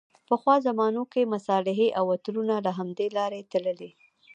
پخوا زمانو کې مصالحې او عطرونه له همدې لارې تللې.